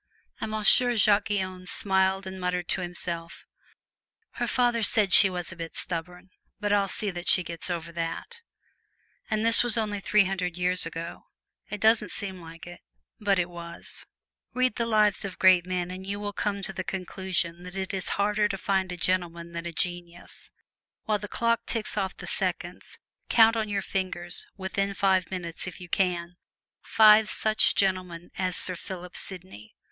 And Monsieur Jacques Guyon smiled and muttered to himself, "Her father said she was a bit stubborn, but I'll see that she gets over it!" And this was over three hundred years ago. It doesn't seem like it, but it was. Read the lives of great men and you will come to the conclusion that it is harder to find a gentleman than a genius. While the clock ticks off the seconds, count on your fingers within five minutes, if you can five such gentlemen as Sir Philip Sidney!